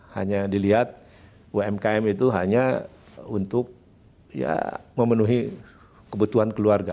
hanya dilihat umkm itu hanya untuk ya memenuhi kebutuhan keluarga